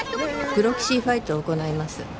プロキシーファイトを行います